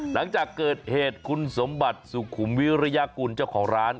หลังจากเกิดเหตุคุณสมบัติสุขุมวิริยากุลเจ้าของร้าน